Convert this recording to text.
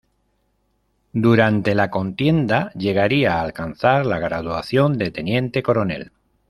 Durante la contienda llegaría a alcanzar la graduación de teniente coronel.